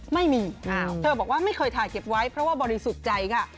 ไม่มีเธอบอกว่าไม่เคยถ่ายเก็บไว้เพราะว่าบริสุทธิ์ใจค่ะ